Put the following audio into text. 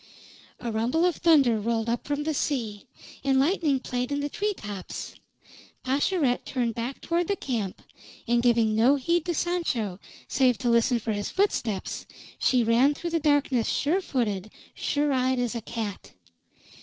A rumble of thunder rolled up from the sea, and lightning played in the tree tops. Pascherette turned back toward the camp, and giving no heed to Sancho save to listen for his footsteps, she ran through the darkness sure footed, sure eyed as a cat.